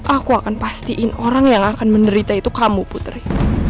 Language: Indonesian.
aku akan pastiin orang yang akan menderita itu kamu putri